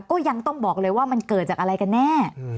ก็ยังต้องบอกเลยว่ามันเกิดจากอะไรกันแน่